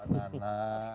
selamat malam mbak nana